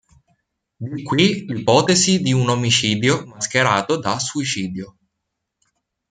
Di qui l'ipotesi di un omicidio mascherato da suicidio.